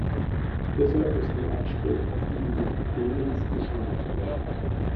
Deshalb müssen die Anstrengungen auf diesem Gebiet dringendst beschleunigt werden.